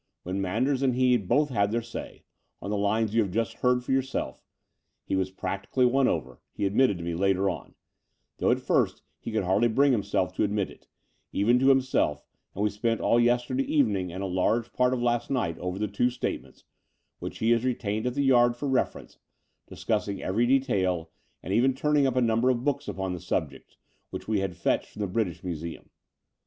When Manders and he had both had their say — on the lines you have just heard for yourself — ^he was practically won over, he admitted to me later on, though at first he could hardly bring himself to admit it, eveq to himself: and we spent all yesterday evening and a large part of last night over the two statements, which he has retained at the Yard for reference, discussing every detail and even turning up a ntun ber of books upon the subject, which we had fetched from the British Musetun.